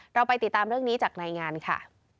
เราไปติดตามเรื่องนี้จากรายงานค่ะ